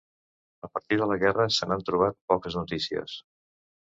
A partir de la guerra se n'han trobat poques notícies.